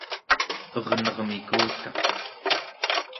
ernermikutaq